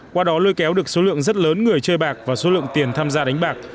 qua đó lôi kéo được số lượng rất lớn người chơi bạc và số lượng tiền tham gia đánh bạc